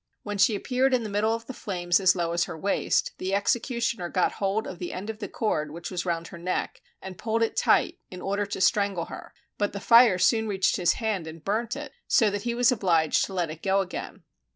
When she appeared in the middle of the flames as low as her waist, the executioner got hold of the end of the cord which was round her neck, and pulled tight, in order to strangle her, but the fire soon reached his hand and burnt it, so that he was obliged to let it go again.